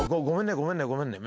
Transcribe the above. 「ごめんねごめんね」。